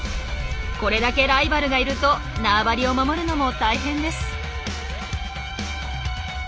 これだけライバルがいると縄張りを守るのも大変です。